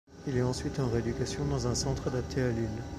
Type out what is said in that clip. Il est ensuite en rééducation dans un centre adapté à Lille.